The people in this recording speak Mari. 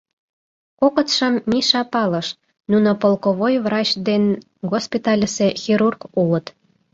Кокытшым Миша палыш — нуно полковой врач ден госпитальысе хирург улыт.